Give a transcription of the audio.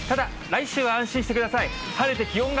ただ、来週は安心してください。